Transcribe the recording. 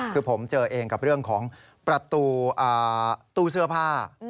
คือผมเจอเองกับเรื่องของประตูตู้เสื้อผ้า